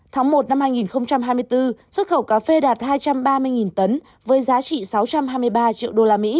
tháng một năm hai nghìn hai mươi bốn xuất khẩu cà phê đạt hai trăm ba mươi tấn với giá trị sáu trăm hai mươi ba triệu usd